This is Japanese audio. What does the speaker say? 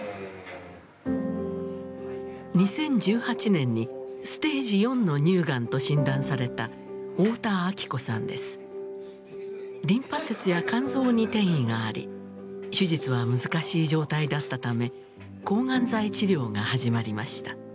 ２０１８年にステージ４の乳がんと診断されたリンパ節や肝臓に転移があり手術は難しい状態だったため抗がん剤治療が始まりました。